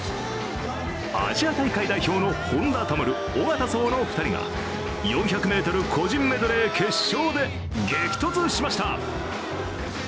アジア大会代表の本多灯、小方颯の２人が４００ｍ個人メドレー決勝で激突しました。